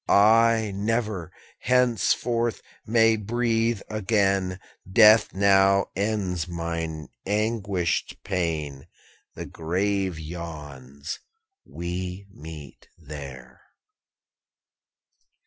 'I never, henceforth, may breathe again; Death now ends mine anguished pain. The grave yawns, we meet there.'